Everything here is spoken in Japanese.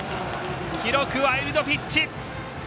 記録、ワイルドピッチ。